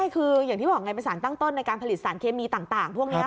คืออย่างที่บอกไงเป็นสารตั้งต้นในการผลิตสารเคมีต่างพวกนี้